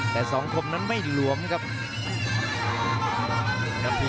แต่สองคมนั้นไม่หลวมครับ